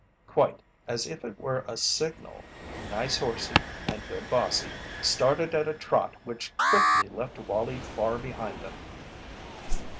Quite as if it were a signal, "Nice horsey and good bossy" started at a trot which quickly left Wallie far behind them.